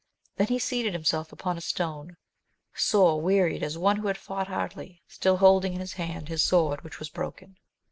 Then he seated himself upon a stone, sore wearied as one who had fought hardly, still holding in his hand his sword which was broken.